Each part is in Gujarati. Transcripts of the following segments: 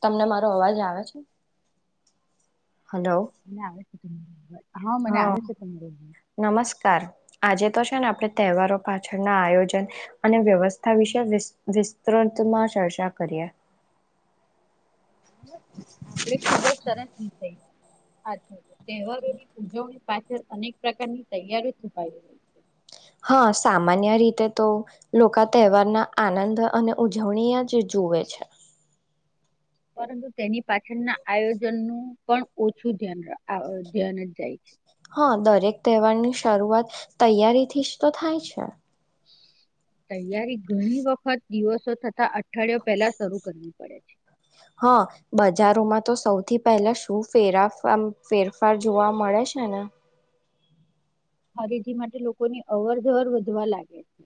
તમને મારો અવાજ આવે છે. હલો હા એને આવે. [inaudible] હા છે તમારો અવાજ. નમસ્કાર આજે છેને આપણે તહેવારો પાછળના આયોજન અને વ્યવસ્થા વિશે વિસ્તૃતમાં ચર્ચા કરીએ. આપડે ખુબ જ સરસ વિ થય અચ્ તહેવારોની ઉજવણી પાછળ અનેક પ્રકારની તૈયારી છુપાવ રહી છે. હા સામાન્ય રીતે તો લોકો તહેવારના આનંદ અને ઉજવણી જ જુવે છે. પરંતુ તેની પાછળના આયોજનનું પણ ઓછુંન ધ્યાન જ જાય છે. હા દરેક તહેવાર ની શરૂઆત તૈયારી થી જ તો થાય છે. તૈયારી ઘણી વખત દિવસો થતા અઠવાડિયો પેલા શરૂ કરવી પડે. છે. હા બજારોમાં તો સૌથી પહેલા શું ફે ફેરફાર જોવા મળે છે ને. ખરીદી માટે લોકોની અવર જવર વધવા લાગે છે.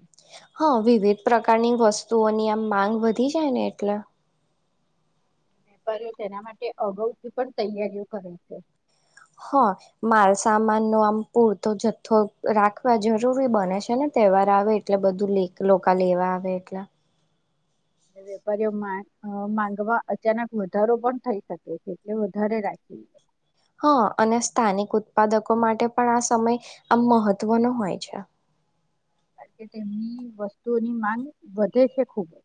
હા વિવિધ પ્રકારની વસ્તુઓની આમ માંગ વધી જાય ને એટલે. વેપારીઓ છેના માટે અગાઉથી પણ તૈયારીઓ કરે છે. હ માલસામાન નો આમ પૂરતો જથ્થો રાખવા જરૂરી બને છે ને તહેવાર આવે એટલે બધું લોકોકા લેવા આવે એટલે વેપારીઓ માંગવા અચાનક વધારો પણ થઈ શકે છે એટલે વધારે રાખી. હા અને સ્થાનિક ઉત્પાદકો માટે પણ આ સમય આમ મહત્વનો હોય છે. કારણ કે તેમની વસ્તુઓની માંગ વધે છે ખુબ જ.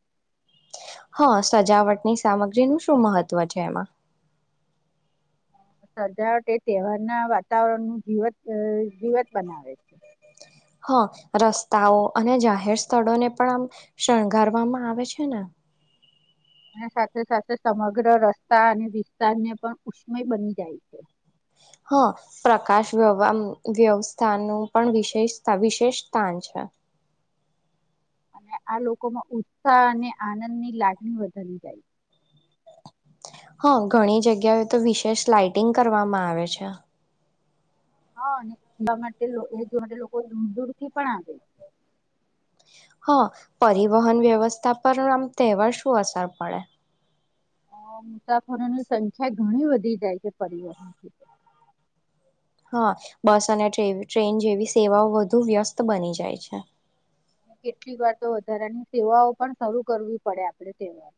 હા સજાવટની સામગ્રીનું શું મહત્ત્વ છે એમાં સજાવટ એ તહેવારના વાતાવરણ નું જીવત જીવત બનાવે છે. હા રસ્તાઓ અને જાહેર સ્થળોને પણ આમ શણગારવામાં આવે છે ને. અને સાથે સાથે સમગ્ર રસ્તા અને વિસ્તારને પણ ઉષ્મય બની જાય છે. હા પ્રકાશ વ્ય વ્યવસ્થાનું પણ વિશેષ વિશેષ સ્થાન છે. અને આ લોકો માં ઉત્સાહ અને આનંદની લાગણી વધારી જાય. હા ઘણી જગ્યાએ તો વિશેષ લાઇટિંગ કરવામાં આવે છે. હા એલા માટે એ જો માટે લોકો દૂર દૂર થી પણ આવે છે. હા પરિવહન વ્યવસ્થા પર આમ તહેવાર શું અસર પડે. અ મુસાફરોની સંખ્યા ઘણી વધી જાય છે પરિવહન. હા બસ અને ટ્રેન જેવી સેવાઓ વધુ વ્યસ્ત બની જાય છે. કેટલીક વાર તો વધારાની સેવાઓ પણ શરૂ કરવી પડે આપડે સહેવા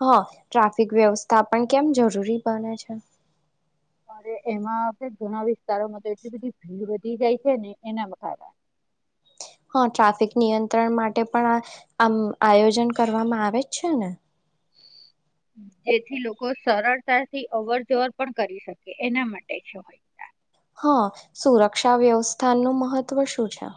હા ટ્રાફિક વ્યવસ્થા પણ કેમ જરૂરી બને છે. અરે એમાં ઘણા વિસ્તારોમાં તો એટલી બધી ભીડ વધી જાય છે ને એના કારણે હા ટ્રાફિક નિયંત્રણ માટે પણ આ આમ આયોજન કરવામાં આવે જ છે ને. જેથી લોકો સરળતાથી અવરજવર પણ કરી શકે એના માટે શ હોય. હા સુરક્ષા વ્યવસ્થાનું મહત્વ શું છે.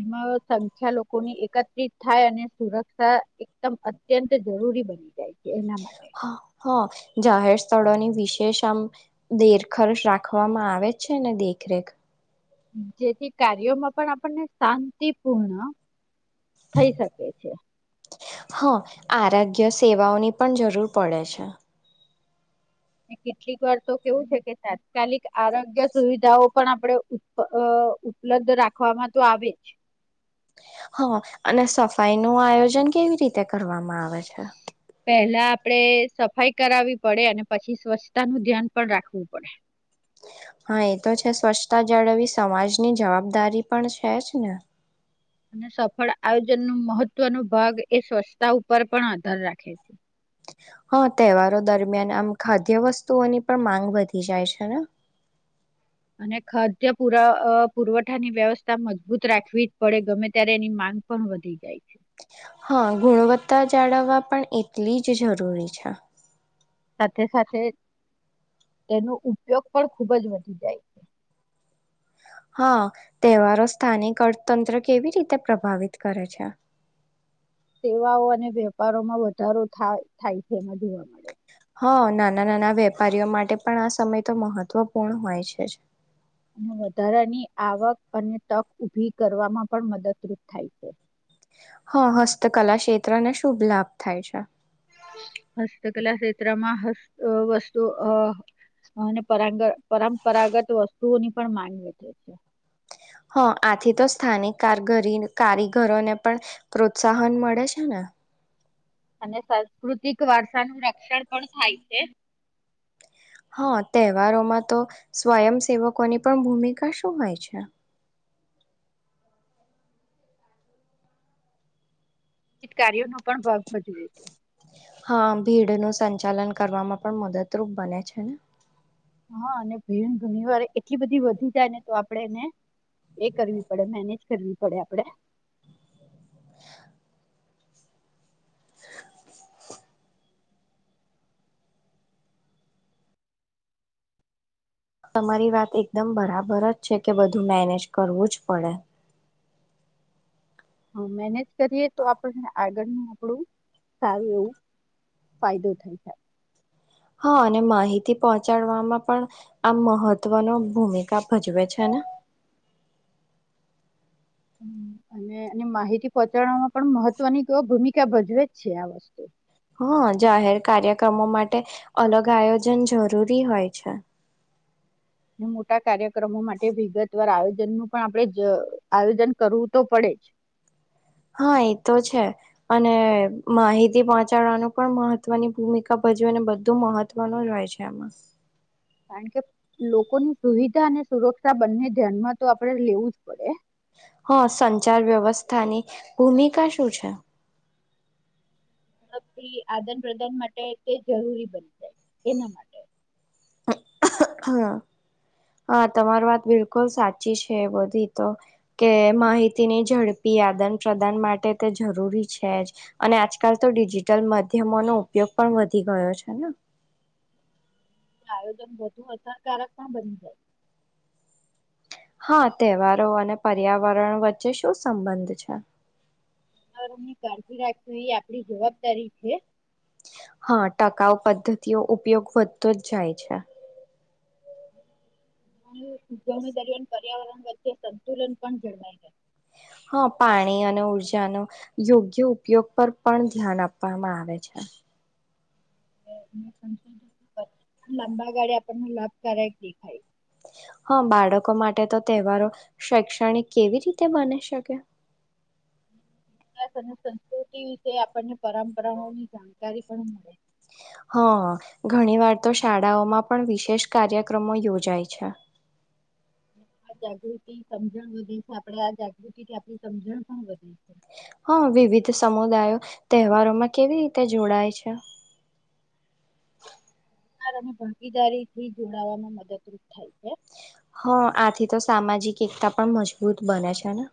એમાં સંખ્યા લોકોની એકત્રિત થાય અને સુરક્ષા એકદમ અત્યંત જરૂરી બની જાય છે. એના માટે. હા હા જાહેર સ્થળોની વિશેષ આમ દેરખર્ચ રાખવામાં આવે છે ને દેખરેખ જેથી કાર્યોમાં પણ આપણને શાંતિપૂર્ણ થઈ શકે છે. હા આરોગ્ય સેવાઓની પણ જરૂર પડે છે. કેટલીક વાર તો કેવું છે કે તાત્કાલિક આરોગ્ય સુવિધાઓ પણ આપણેે ઉપલબ્ધ રાખવામાં તો આવે જ. હા અને સફાઈ નું આયોજન કેવી રીતે કરવામાં આવે છે. પેલા આપડે સફાઈ કરાવવી પડે અને પછી સ્વચ્છતા નું ધ્યાન પણ રાખવું પડે. હા એ તો છે સ્વચ્છતા જાળવી સમાજની જવાબદારી પણ છે જ ને. અને સફળ આયોજન ન મહત્વનો ભાગ એ સ્વચ્છતા ઉપર પણ આધાર રાખે છે. હા તહેવારો દરમિયાન આમ ખાદ્ય વસ્તુઓની પણ માંગ વધી જાય છે ને. અને ખર્દ પુરા પુરવઠાની વ્યવસ્થા મજબૂત રાખવી જ પડે ગમે ત્યારે એની માંગ પણ વધી જાય છે. હા ગુણવત્તા જાળવવા પણ એટલી જ જરૂરી છે. સાથે સાથે તેનો ઉપયોગ પણ ખુબ જ વધી જાય છે. હા તહેવારો સ્થાનિક અર્થતંત્ર કેવી રીતે પ્રભાવિત કરે છે? સેવાઓ અને વે વેપારોમાં વધારો થાય થાય છે, એમાં જોવા હા નાના નાના વેપારીઓ માટે પણ આ સમય તો મહત્વપૂર્ણ હોય છે જ. અને વધારાની આવક અને તક ઉઊભી કરવામાં પણ મદદરૂપ થાય છે. હા હસ્તકલા ક્ષેત્રને શુભ લાભ થાય છે. હસ્તકલા ક્ષેત્રમાં હત વસ્તુ અને અને પરંપરાગત વસ્તુઓની પણ માંગ વઠે છે. હા આથી તો સ્થાનિકરી કારીગરોને પણ પ્રોત્સાહન મળે છે ને અને સાંસ્કૃતિક વારસા નું રક્ષણ પણ થાય છે. હા તહેવારોમાં તો સ્વયંસેવકોની પણ ભૂમિકા શું હોય છે? કાર્યો ન પણ ભાવ ભજવે છે. ભીડ નું સંચાલન કરવામાં પણ મદદરૂપ બને છે. ને હા અને ભીણ ભુવા એટલી બધી વધી જાય ને તો આપડેને. એ કરવી પડે મેનેજ કરવીડે પડે આપડે. તમારી વાત એકદમ બરાબર જ છે, કે બધું મેનેજ કરવું જ પડે. હા મેને કરીએ તો આપને આ આગ આપણું સારું એવું ફાયદો થઈ જાય. હા અને માહિતી પહોંચાડવામાં પણ આ મહત્વ ન ભૂમિકા ભજવે છે. અને એ માહિતી પહોંચાડવાવામાં પણ મહત્વની ભૂમિકા ભજવે જ છે. આ વસ્તુ હા જાહેર કાર્યક્રમો માટે અલગ આયોજન જરૂરી હોય છે. મોટા કાર્ય. ક્રમો માટે વિગતવાર આયો. ન પણ આપડે આયોજન કરવું તો પડે જ. હા એતો છે અને માહિતી પહોંચાડવાનું પણ મહત્વની ભૂમિકા ભજવે અને બધું મહત્વનું હોય છે એમાં. કારણ કે લોકોની સુવિધા અને સુરક્ષા બંને ધ્યાનમાં તો આપડે લેવું જ પડે. હા સંચાર વ્યવસ્થાની ભૂ ઝડપથી આદાન પ્રદાન માટે તે જરૂરી બની જાય એના માટે. હા હા તમારી વાત બિલકુલ સાચી છે બધી તો કે માહિતીની ઝડપી આદાન પ્રદાન માટે તે જરૂરી છે, જ અને આજકાલ તો ડિજિટલ માધ્યમોનો ઉપયોગ પણ વધી ગયો છે ને. આયોજન વધુ અસરકારક પણ બની જાય. હા તહેવારો અને પર્યાવરણ વચ્ચે શું સંબંધ છે? વાતાવરણ ની કાળજી રાખશો એ આપડી જવાબદારી છે. હા ટકાઉ પદ્ધતિઓ ઉપયોગ વધતો છે. ઉણી દરમિયાન પર્યાવરણ વચ્ચે સંતુલન પણ જળવાય જાય. હા પાણી અને ઉર્જાનો યોગ્ય ઉપયોગ પર પણ ધ્યાન આપવામાં આવે છે. લાંબા ગાળે આપણને લાભકારાયક દેખાય હા બાળકો માટે તો તહેવારો શૈક્ષણિક કેવી રીતે બની શકે? ઇતિહાસ સંસ્કૃતિ વિશે આપણને પરંપરાઓની જાણકારી પણ મળે. હા ઘણી વાર તો શાળાઓમાં પણ વિશેષ કાર્યક્રમો યોજાય છે. આ જાગૃતિ સમજણ વધે છે આપડે આ જાગૃતિ થી આપણી સમજણ પણ વધ. હા વિવિધ સમુદાયો તહેવારોમાં કેવી રીતે જોડાય છે? અને ભાગીદારી થી જોડાવાવામાં મદદરૂપ થાય છે. હા આથી તો સામાજિક એકતા પણ મજબૂત બને છે ને.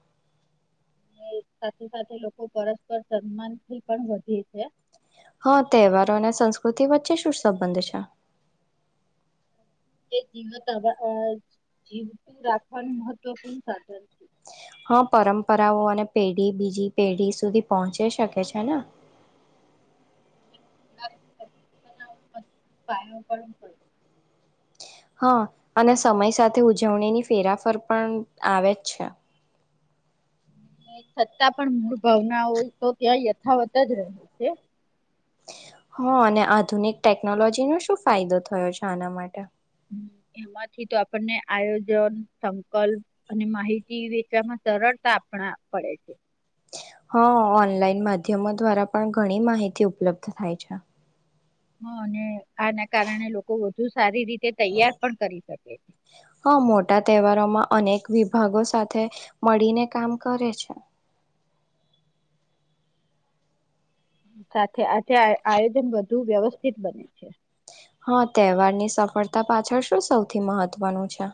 અને સાથે સાથે લોકો પરસ્પર સન્માન થી પણ વધે છે. હા તહેવારો અને સંસ્કૃતિ વચ્ચે શું સંબંધ છે. એ જી આ જીતુ રાખવા મહત્વ પણણ સાધન [inaudible] પરંપરાઓ અને પેઢી બીજી પેઢી સુધી પહોંચી શકે છે ને. પાયા [inaudible] હા અને સમય સાથે ઉજવણીની ફેરાફર પણ આવે જ છે. છતાં પણ મૂળ ભાવના હોય તો ત્યાં યથાવત જ રહે છે [inaudible] હ અને આધુનિક ટેકનોલોજી નો શું ફાયદો થયો છે આના માટે. હ એમાંથી તો આપણને આયોજન સંકલ્પ અને માહિતી વેચવામાં સરળતા આપણા પડે છે. હા ઓનલાઈન માધ્યમો દ્વારા પણ ઘણી માહિતી ઉપલબ્ધ થાય છે. હ અને આના કારણે લોકો વધુ સારી રીતે તે તૈયાર પણ કરી શકે છે. હા મોટા તહેવારોમાં અનેક વિભાગો સાથે મળીને કામ કરે છે. સાથે આજે આયોજન વધુ વ્યવસ્થિત બને છે. હા તહેવારની સફળતા પાછળ શું સૌથી મહત્વનું છે.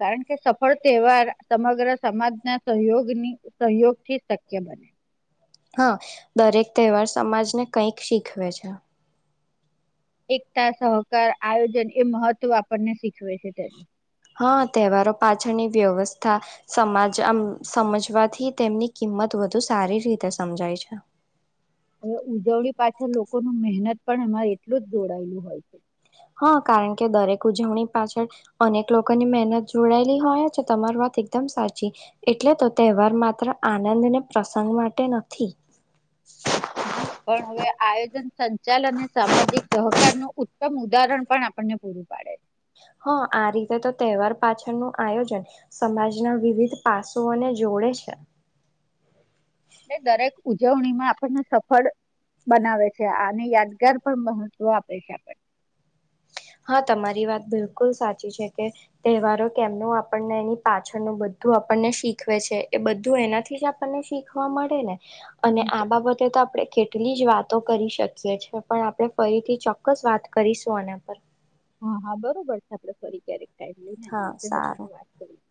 કારણ કે સફળ તહેવાર સમગ્ર સમાજના સહયોગની સહયોગથી શક્ય બને. હા દરેક તહેવાર સમાજને કંઈક શીખવે છે. એકતા સહકાર આયોજન એ મહત્વ આપણને શીખવે છે તેનું. હા તહેવારો પાછળની વ્યવસ્થા સમાજ આમ સમજવાથી તેમની કિંમત વધુ સારી રીતે સમજાય છે. હવે ઉજવણી પાછળ લોકો ન મહેનત. પણ અમારે એટલું જ દોડાયેલું હોય હા કારણ કે દરેક ઉજવણી પાછળ અનેક લોકોની મહેનત જોડાયેલી હોય છે તમારી વાત એકદમ સાચી એટલે તો તહેવાર માત્ર આનંદ ને પ્રસંગ માટે નથી. હ પણ હવે આયોજન સંચાલ અને સામાજિક સહકાર ન ઉ તમ ઉદાહરણ પણ આપણને પૂરું પાડે છે હ આ રીતે તો તહેવાર પાછળનું આયોજન સમાજના વિવિધ પાસુઓને જોડે છે. એ દરેક ઉજવણીમાં આપણને સફળ બનાવે છે આને યાદગાર પણ મહત્વ આપે છે. હા તમારી વાત બિલકુલ સાચી છે કે તહેવારો કેમનું આપણને એની પાછળનું બધું આપણને શીખવે છે એ બધું એનાથી જ આપણને શીખવા મળે ને અને આપણ આ બાબતે તો આપડે કેટલી જ વાત તો કરી શકીએ છે પણ આપણે ફરીથી ચોક્કસ વાત કરીશું એના પર હા હા બરોબર છે આપડે ફરી ક્યારે હા સારું. [inaudible]